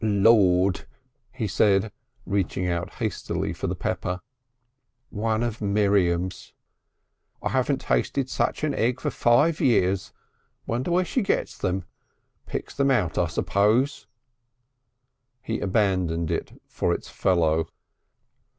"Lord!" he said, reaching out hastily for the pepper. "One of Miriam's! Management! I haven't tasted such an egg for five years.... Wonder where she gets them! Picks them out, I suppose!" He abandoned it for its fellow.